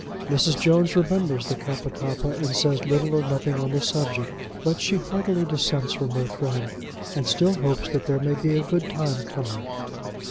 Mrs. Jones remembers the Kappa kappa and says little or nothing on the subject, but she heartily dissents from her friend, and still hopes that there may be a good time coming.